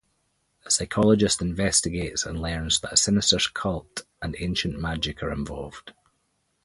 The psychologist investigates and learns that a sinister cult and ancient magic are involved.